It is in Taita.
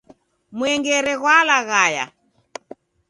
Mwengere ghwalaghaya.